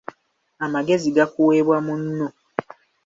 Amagezi gakuweebwa munno.